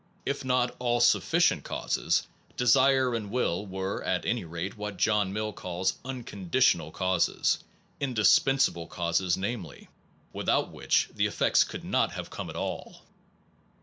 If not all sufficient causes, desire and will were at any rate what John Mill calls unconditional causes, indispensable causes namely, without which the effects could not have come at all.